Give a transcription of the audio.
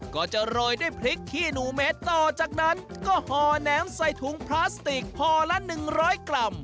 ก็จะรอยด้วยพริกขี้หนูเม็ดต่อจากนั้นก็ห่อแหนมใส่ถุงพลาสติกพอละหนึ่งร้อยกรัม